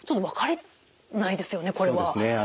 そうですね。